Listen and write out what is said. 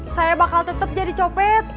saya bakal tetap jadi copet